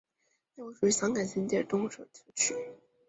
大围属于香港新界东的社区。